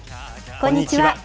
こんにちは。